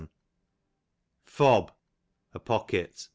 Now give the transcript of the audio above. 'Edb, a pocket.